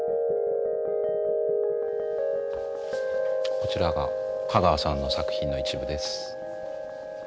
こちらが香川さんの作品の一部です。